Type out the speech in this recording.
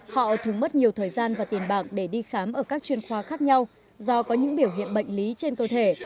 họ thường mất nhiều thời gian và tiền bạc để đi khám ở các chuyên khoa khác nhau do có những biểu hiện bệnh lý trên cơ thể